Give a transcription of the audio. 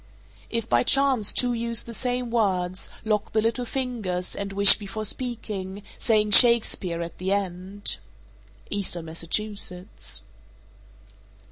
452. If by chance two use the same words, lock the little fingers, and wish before speaking, saying "Shakespeare" at the end. _Eastern Massachusetts.